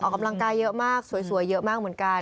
ออกกำลังกายเยอะมากสวยเยอะมากเหมือนกัน